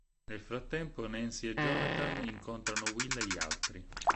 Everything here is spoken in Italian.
Nel frattempo, Nancy e Jonathan incontrano Will e gli altri.